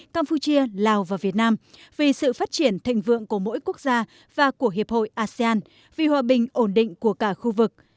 campuchia lào và việt nam vì sự phát triển thịnh vượng của mỗi quốc gia và của hiệp hội asean vì hòa bình ổn định của cả khu vực